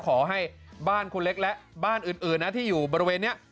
ขอให้บ้านคุณเล็กและบ้านอื่นนะที่อยู่บริเวณนี้